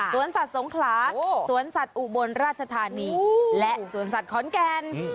สวนสัตว์สงขลาสวนสัตว์อุบลราชธานีและสวนสัตว์ขอนแก่น